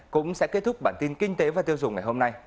cũng sẽ kết thúc bản tin kinh tế và tiêu dùng ngày hôm nay